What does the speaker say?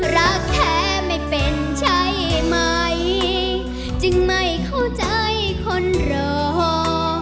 รักแท้ไม่เป็นใช่ไหมจึงไม่เข้าใจคนรอ